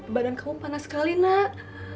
badan kamu panas sekali nak